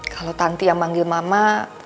kalau tanti yang manggil mama